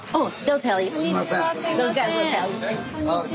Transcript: こんにちは。